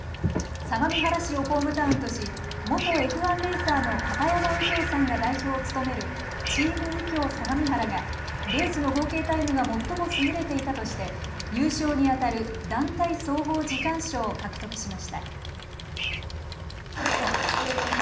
相模原市をホームタウンとし元Ｆ１レーサーの片山右京さんが代表を務める、チーム右京相模原がレースの合計タイムが最も優れていたとして優勝にあたる団体総合時間賞を獲得しました。